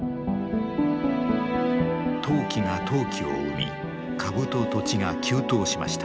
投機が投機を生み株と土地が急騰しました。